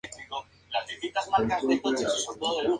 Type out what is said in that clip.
El autor del Vía Crucis es Alejandro Santana, arquitecto de Bariloche.